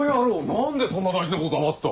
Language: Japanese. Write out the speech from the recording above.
何でそんな大事なこと黙ってた。